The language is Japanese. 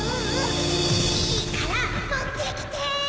・いいからもってきて！